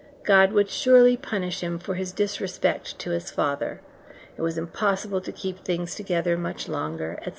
God would surely punish him for his disrespect to his father. It was impossible to keep things together much longer, etc.